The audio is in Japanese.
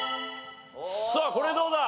さあこれどうだ？